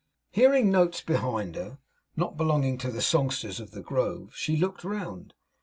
Hearing notes behind her, not belonging to the songsters of the grove, she looked round.